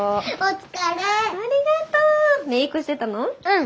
うん。